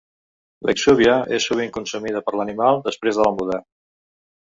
L'exúvia és sovint consumida per l'animal després de la muda.